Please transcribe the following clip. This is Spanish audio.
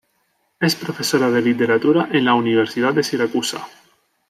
Es profesora de Literatura en la Universidad de Siracusa.